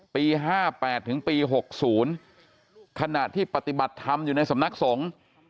ปี๕๘ถึงปี๖๐ขณะที่ปฏิบัติธรรมอยู่ในสำนักสงฆ์